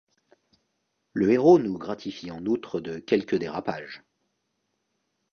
Le héros nous gratifie en outre de quelques dérapages.